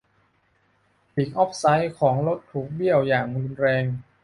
ปีกออฟไซด์ของรถถูกเบี้ยวอย่างรุนแรง